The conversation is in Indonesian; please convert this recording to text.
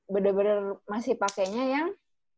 bener bener masih pakainya yang